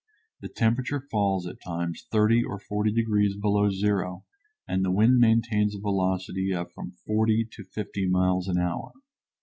The temperature falls at times 30 or 40 degrees below zero and the wind maintains a velocity of from forty to fifty miles an hour.